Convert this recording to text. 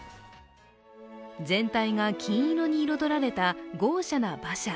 全体が金色に彩られた豪奢な馬車。